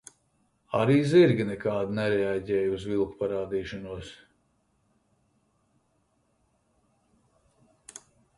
Arī zirgi nekādi nereaģēja uz vilku parādīšanos.